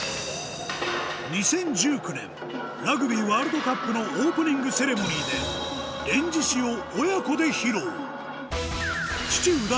２０１９年ラグビーワールドカップのオープニングセレモニーで父右團